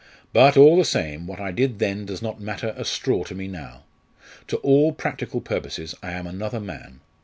But, all the same, what I did then does not matter a straw to me now. To all practical purposes I am another man.